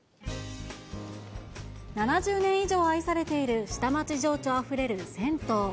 ７０年以上愛されている下町情緒あふれる銭湯。